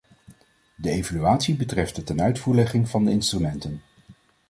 De evaluatie betreft de tenuitvoerlegging van de instrumenten.